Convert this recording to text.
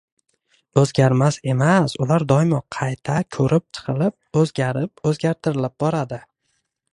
oʻzgarmas emas, ular doimo qayta koʻrib chiqilib, oʻzgarib, oʻzgartirilib boradi.